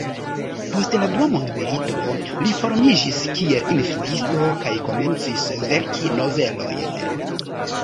Post la dua mondmilito, li formiĝis kiel instruisto kaj komencis verki novelojn.